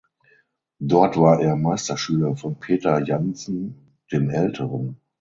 Dort war er Meisterschüler von Peter Janssen dem Älteren.